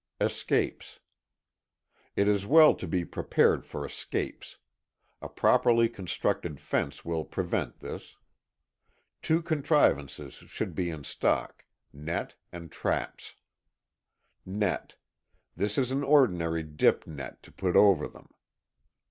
20.ŌĆöEscapes. It is well to be prepared for escapes. A properly constructed fence will prevent this. Two contrivances should be in stockŌĆönet and traps. NetŌĆöThis is an ordinary dip net to put over them.